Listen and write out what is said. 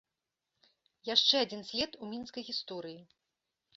Яшчэ адзін след у мінскай гісторыі.